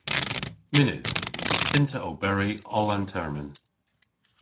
Mynnydh. Y fynn'ta oberi oll an termyn.